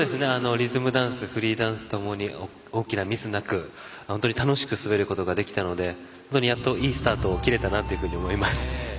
リズムダンスフリーダンスともに大きなミスなく本当に楽しく滑ることができたので本当にやっといいスタートを切れたなと思います。